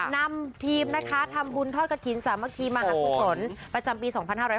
นำทีมนะคะธรรมบุญทอดกะถีนสามารถฝนประจำปี๒๕๖๕